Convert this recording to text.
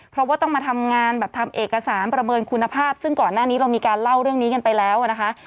เพราะว่าต้องมาทำงานแบบทำเอกสารประเมินคุณภาพซึ่งก่อนหน้านี้เรามีการเล่าเรื่องนี้กันไปแล้วนะคะ